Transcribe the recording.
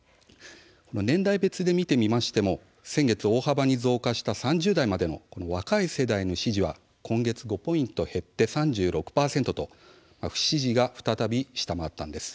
年代別で見てみましても先月大幅に増加した３０代までの若い世代の支持は今月５ポイント減って３６％と不支持が再び下回りました。